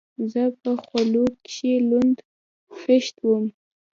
زه په خولو کښې لوند خيشت وم.